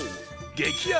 激安！